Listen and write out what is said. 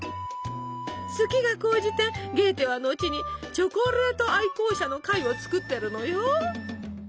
好きが高じてゲーテはのちに「チョコレート愛好者の会」を作ってるのよ。